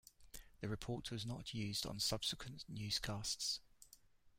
The report was not used on subsequent newscasts.